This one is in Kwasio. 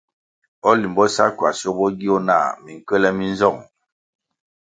O Limbo sa Ckwasio bo gio nah minkywèlè mi nzong ?